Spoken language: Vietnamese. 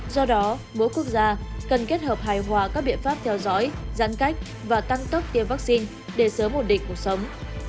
do đó mỗi quốc gia cần kết hợp hài hòa các biện pháp theo dõi giãn cách và tăng tốc tiêm vaccine để sớm ổn định cuộc sống